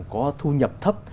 có thu nhập thấp